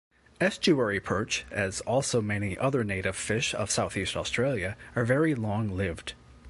Estuary perch, as also many other native fish of southeast Australia, are very long-lived.